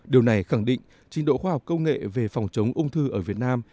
điều này khẳng định trình độ khoa học công nghệ về phòng chống ung thư ở việt nam